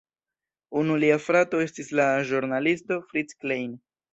Unu lia frato estis la ĵurnalisto Fritz Klein.